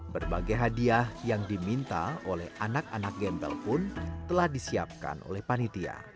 berbagai hadiah yang diminta oleh anak anak gembel pun telah disiapkan oleh panitia